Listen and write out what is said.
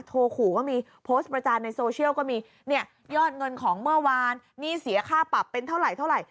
โทรขู่ก็มีโพสต์ประจานในโซเชียลก็มีเนี่ยยอดเงินของเมื่อวานหนี้เสียค่าปรับเป็นเท่าไหรเท่าไหร่